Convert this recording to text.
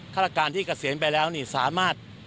ฆาตการที่เกษียณไปแล้วนี่สามารถ